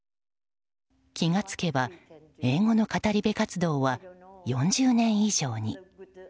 気が付けば英語の語り部活動は４０年以上に。